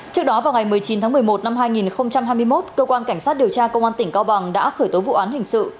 trước đó vào ngày một mươi chín tháng một mươi một năm hai nghìn hai mươi một cơ quan cảnh sát điều tra công an tỉnh cao bằng đã khởi tố vụ án hình sự